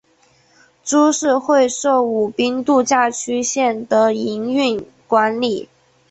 株式会社舞滨度假区线的营运管理。